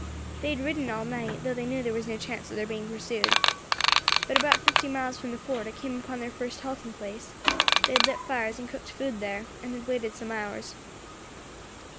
They had ridden all night, though they knew there was no chance of their being pursued. But about fifty miles from the fort I came upon their first halting place; they had lit fires and cooked food there, and had waited some hours.